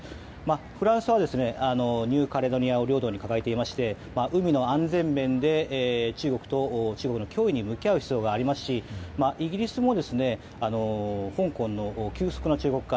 フランスはニューカレドニアを領土に掲げていまして海の安全面で中国の脅威に向き合う必要がありますしイギリスも香港の急速な中国化